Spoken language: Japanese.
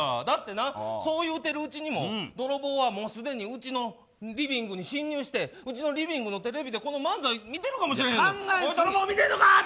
だって、そういうてるうちにも泥棒はもううちのリビングに侵入して、うちのリビングのテレビでこの漫才を見ているかもしれない。